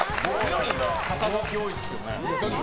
肩書き多いですよね。